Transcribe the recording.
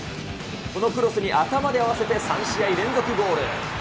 このクロスに頭で合わせて、３試合連続ゴール。